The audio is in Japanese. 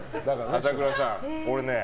朝倉さん、俺ね。